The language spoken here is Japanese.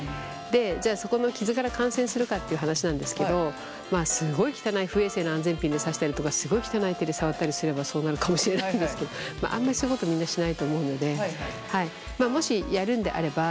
じゃあそこの傷から感染するかっていう話なんですけどまあすごい汚い不衛生な安全ピンで刺したりとかすごい汚い手で触ったりすればそうなるかもしれないんですけどあんまりそういうことみんなしないと思うので。